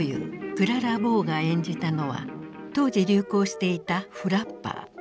クララ・ボウが演じたのは当時流行していたフラッパー。